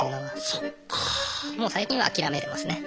もう最近は諦めてますね。